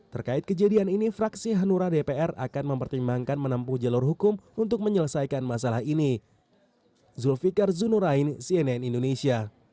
terkait kejadian ini fraksi hanura dpr akan mempertimbangkan menempuh jalur hukum untuk menyelesaikan masalah ini